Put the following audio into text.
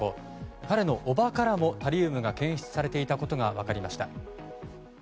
彼の叔母からもタリウムが検出されていたことが分かりました。